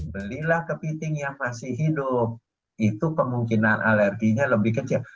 belilah kepiting yang masih hidup itu kemungkinan alerginya lebih kecil